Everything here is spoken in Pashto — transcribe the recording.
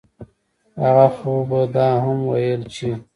هغه خو به دا هم وييل چې